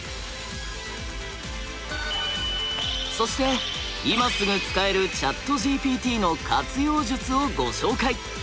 そして今すぐ使えるＣｈａｔＧＰＴの活用術をご紹介！